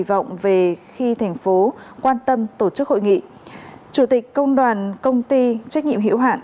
vọng về khi thành phố quan tâm tổ chức hội nghị chủ tịch công đoàn công ty trách nhiệm hiệu hạn